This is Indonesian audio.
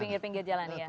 di pinggir pinggir jalan ya